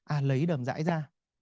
à lấy đờm rãi ra